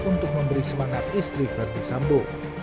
untuk memberi semangat istri verdi sambo